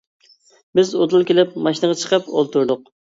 بىز ئۇدۇل كېلىپ ماشىنىغا چىقىپ ئولتۇردۇق.